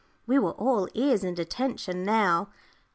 We were all ears and attention now.